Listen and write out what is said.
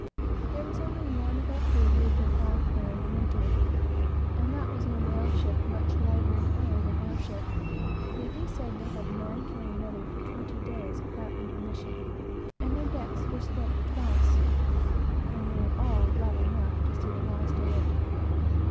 There was only one of our crew who had been off there in the winter, and that was in a whaleship, much lighter and higher than our ship; yet he said they had man killing weather for twenty days without intermission, and their decks were swept twice, and they were all glad enough to see the last of it.